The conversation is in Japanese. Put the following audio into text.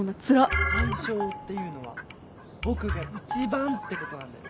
大賞っていうのは僕が１番ってことなんだよ。